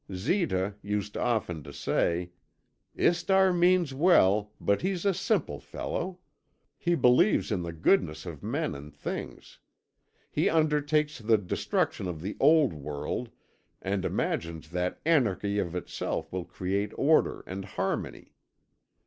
Zita used often to say: "Istar means well, but he's a simple fellow. He believes in the goodness of men and things. He undertakes the destruction of the old world and imagines that anarchy of itself will create order and harmony.